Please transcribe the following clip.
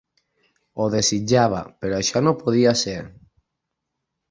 Ho desitjava, però això no podria ser.